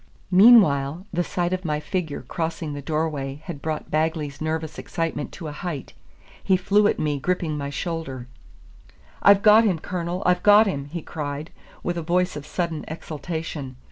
Meanwhile, the sight of my figure crossing the door way had brought Bagley's nervous excitement to a height: he flew at me, gripping my shoulder. "I've got him, Colonel! I've got him!" he cried, with a voice of sudden exultation.